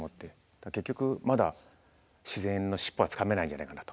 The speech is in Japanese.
だから結局まだ自然の尻尾はつかめないんじゃないかなと。